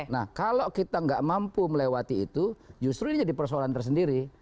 nah kalau kita nggak mampu melewati itu justru ini jadi persoalan tersendiri